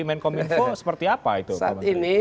menkom info seperti apa itu pak menteri saat ini